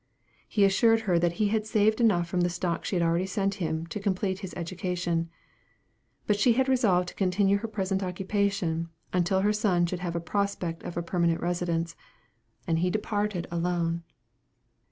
He assured her that he had saved enough from the stock she had already sent him, to complete his education. But she had resolved to continue in her present occupation, until her son should have a prospect of a permanent residence; and he departed alone.